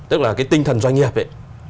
tức là cái tinh thần doanh nghiệp ấy